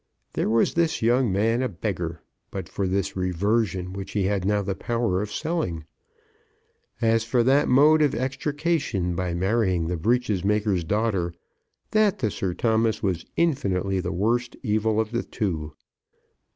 There was this young man a beggar, but for this reversion which he had now the power of selling. As for that mode of extrication by marrying the breeches maker's daughter, that to Sir Thomas was infinitely the worst evil of the two.